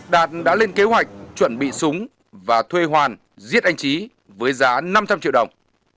đạt đã lên kế hoạch chuẩn bị súng và thuê hoàn giết anh trí với giá năm trăm linh triệu đồng